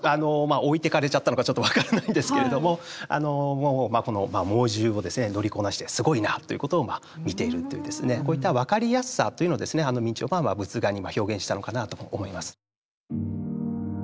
置いてかれちゃったのかちょっと分からないんですけれどもこの猛獣を乗りこなしてすごいなということを見ているというこういった分かりやすさというのを明兆は仏画に表現したのかなと思います。